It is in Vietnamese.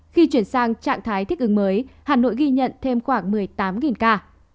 khi chuyển sang trạng thái thích ứng mới hà nội ghi nhận thêm khoảng một mươi tám ca